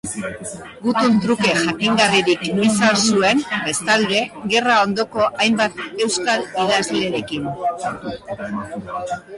Gutun-truke jakingarririk izan zuen, bestalde, gerra ondoko hainbat euskal idazlerekin.